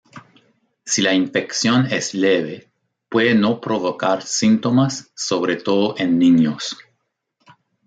Si la infección es leve puede no provocar síntomas, sobre todo en niños.